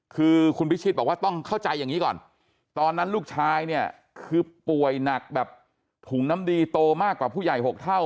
คือคุณพิชิตบอกว่าต้องเข้าใจอย่างนี้ก่อนตอนนั้นลูกชายเนี่ยคือป่วยหนักแบบถุงน้ำดีโตมากกว่าผู้ใหญ่๖เท่า